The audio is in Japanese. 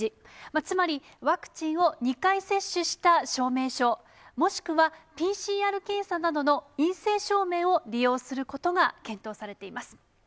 つまり、ワクチンを２回接種した証明書、もしくはＰＣＲ検査などの陰性証明を利用することが検討されています。